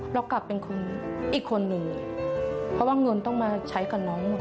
เรากลับเป็นคนอีกคนหนึ่งเพราะว่าเงินต้องมาใช้กับน้องหมด